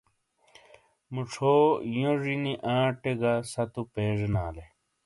مُچھو یونجینی آٹے گہ ستُو پیجینالے۔